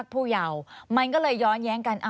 ควิทยาลัยเชียร์สวัสดีครับ